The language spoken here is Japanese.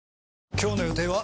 今日の予定は？